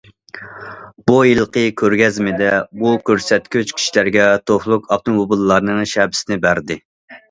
بۇ يىلقى كۆرگەزمىدە، بۇ« كۆرسەتكۈچ» كىشىلەرگە توكلۇق ئاپتوموبىللارنىڭ شەپىسىنى بەردى.